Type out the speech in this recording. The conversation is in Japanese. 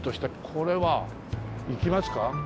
これは行きますか？